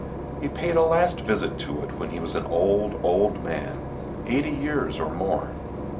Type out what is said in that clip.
He paid a last visit to it when he was an old, old man, eighty years or more.